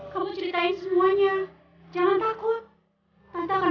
kamu ceritain semuanya